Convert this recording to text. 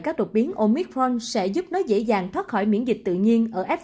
các đột biến omicron sẽ giúp nó dễ dàng thoát khỏi miễn dịch tự nhiên